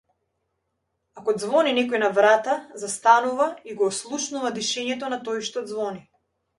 Ако ѕвони некој на врата застанува и го ослушнува дишењето на тој што ѕвони.